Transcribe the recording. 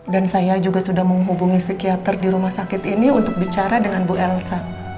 dan saya juga sudah menghubungi psikiater di rumah sakit ini untuk bicara dengan bu elsa